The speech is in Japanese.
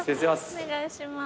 お願いします。